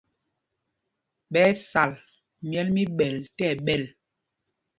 Ɓɛ́ ɛ́ sal myɛ̌l mí Ɓɛ̂l ɛɓɛl.